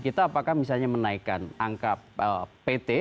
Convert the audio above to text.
maka misalnya menaikan angka pt